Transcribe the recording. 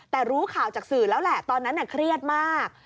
แต่รู้ข่าวจากสื่อแล้วแหละตอนนั้นเครียดมาก